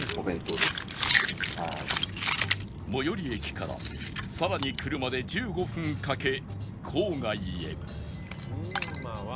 最寄り駅からさらに車で１５分かけ郊外へ